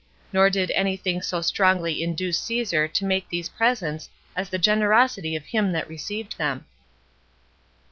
Nor did any thing so strongly induce Caesar to make these presents as the generosity of him that received them.